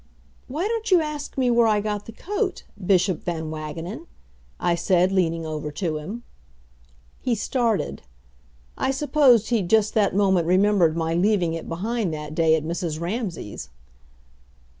"Why don't you ask me where I got the coat, Bishop Van Wagenen?" I said, leaning over to him. He started. I suppose he'd just that moment remembered my leaving it behind that day at Mrs. Ramsay's.